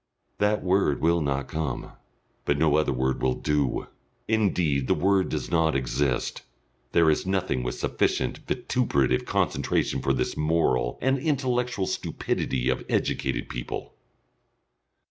That word will not come. But no other word will do. Indeed the word does not exist. There is nothing with sufficient vituperative concentration for this moral and intellectual stupidity of educated people....